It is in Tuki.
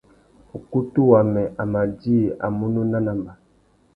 Ukutu wamê a má djï a munú nanamba.